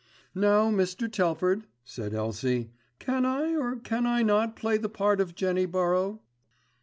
"Now, Mr. Telford," said Elsie, "can I or can I not play the part of Jenny Burrow?"